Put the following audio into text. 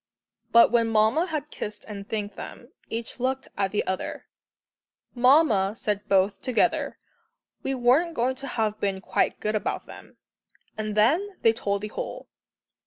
But when Mamma had kissed and thanked them, each looked at the other. "Mamma," said both together, "we weren't going to have been quite good about them," and then they told the whole.